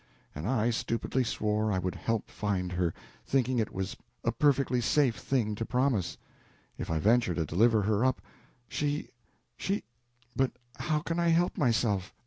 And I stupidly swore I would help him find her, thinking it was a perfectly safe thing to promise. If I venture to deliver her up, she she but how can I help myself?